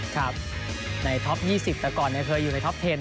ใช่ในท็อป๒๐มาอยู่ที่ท็อป๑๐